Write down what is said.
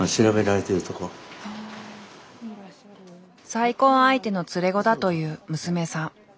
再婚相手の連れ子だという娘さん。